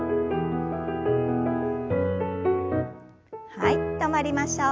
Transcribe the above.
はい止まりましょう。